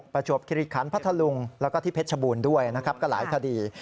ประจวบคิริคันพัทธลุงแล้วก็ที่เพชรชบูรณ์ด้วยนะครับก็หลายคดี